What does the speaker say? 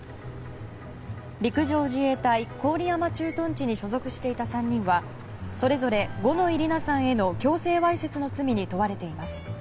陸上自衛隊郡山駐屯地に所属していた３人はそれぞれ五ノ井里奈さんへの強制わいせつの罪に問われています。